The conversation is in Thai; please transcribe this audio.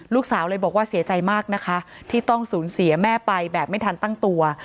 ลูกสาวเลยบอกว่าเสียใจมากนะคะที่ต้องสูญเสียแม่ไปแบบไม่ทันตั้งตัว